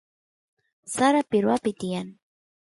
sara pirwapi tiyan